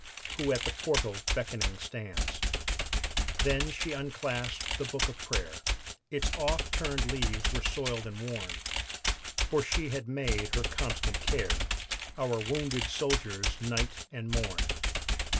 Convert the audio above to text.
Who at the portal beckoning stands. Then she unclasped the book of prayer, Its oft turned leaves were soiled and worn, For she had made her constant care Our wounded soldiers night and morn.